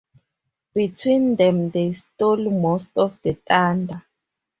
Between them they stole most of the thunder.